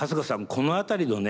この辺りのね